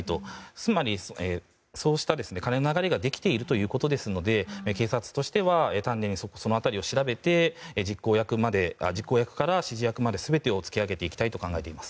つまり、そうした金の流れができているということですので警察としては丹念にその辺りを調べて実行役から指示役まで全てを突き上げていきたいと考えています。